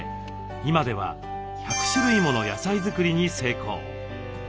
今では１００種類もの野菜作りに成功。